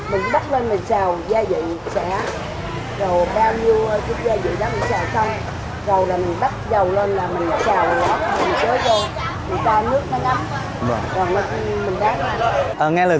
mình ăn sau là mình làm như vậy